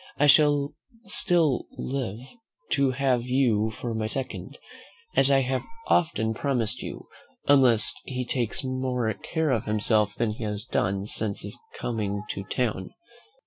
I shall still live to have you for my second, as I have often promised you, unless he takes more care of himself than he has done since his coming to town.